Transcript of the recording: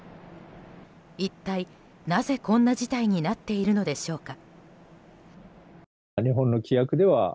一体なぜ、こんな事態になっているのでしょうか。